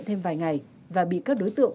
thêm vài ngày và bị các đối tượng